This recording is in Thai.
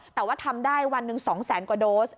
แต่ว่าทำได้วันหนึ่ง๒แสนกว่าโดส